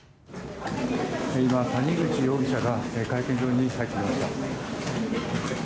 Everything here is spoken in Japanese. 今、谷口容疑者が会見場に入っていきます。